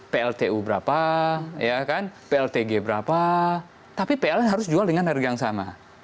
pltu berapa pltg berapa tapi pln harus jual dengan harga yang sama